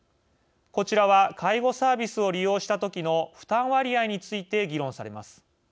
こちらは介護サービスを利用した時の負担割合について議論されます。